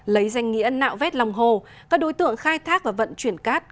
lấy danh nghĩa nạo vét lòng hồ các đối tượng khai thác và vận chuyển cát